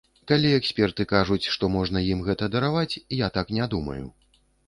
Калі эксперты кажуць, што можна ім гэта дараваць, я так не думаю.